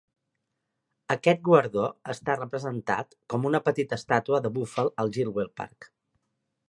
Aquest guardó està representat com una petita estàtua de búfal al Gilwell Park.